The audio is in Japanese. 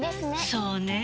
そうねぇ。